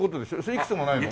いくつもないの？